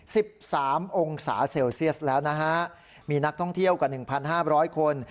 สิบสามองศาเซลเซียสแล้วนะฮะมีนักท่องเที่ยวกว่าหนึ่งพันห้าร้อยคน